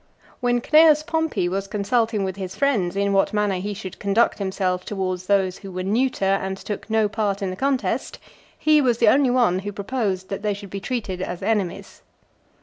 When Cneius Pompey was consulting with his friends in what manner he should conduct himself towards those who were neuter and took no part in the contest, he was the only one who proposed that they should be treated as enemies.